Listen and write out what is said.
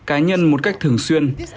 cá nhân một cách thường xuyên